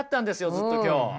ずっと今日。